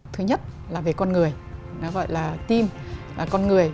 thứ nhất là về con người nó gọi là team là con người